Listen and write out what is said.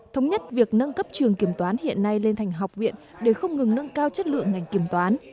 thống nhất việc nâng cấp trường kiểm toán hiện nay lên thành học viện để không ngừng nâng cao chất lượng ngành kiểm toán